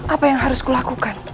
apa yang harus kulakukan